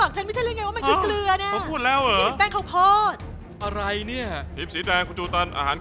ข้าวเหนียวไว้ที่ไหนล่ะฮะ